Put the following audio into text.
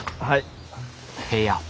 はい。